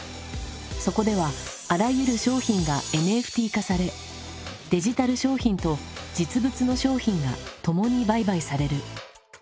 そこではあらゆる商品がＮＦＴ化されデジタル商品と実物の商品がともに売買される。